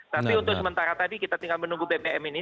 tapi untuk sementara tadi kita tinggal menunggu bbm ini